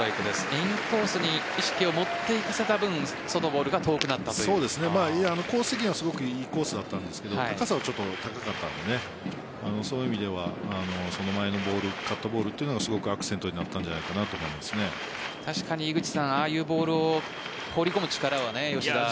インコースに意識を持っていかせた分コース的にはすごくいいコースだったんですが高さがちょっと高かったのでそういう意味ではその前のボールカットボールはすごくアクセントに確かにああいうボールを放り込む力は吉田は。